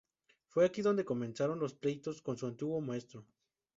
Fue aquí donde comenzaron los pleitos con su antiguo maestro.